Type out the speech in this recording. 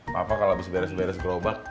papa kalau abis beres beres gelobak